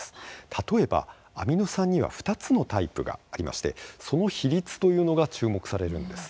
例えば、アミノ酸には２つのタイプがありまして、その比率というのが注目されるんです。